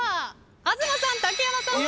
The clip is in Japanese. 東さん竹山さん